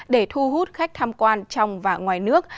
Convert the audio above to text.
để thu hút khách tham quan trong và ngoài nước